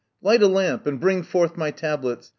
light the lamp and bring me my tablets.